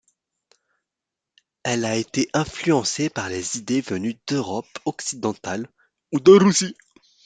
Elle a été influencée par les idées venues d'Europe occidentale ou de Russie.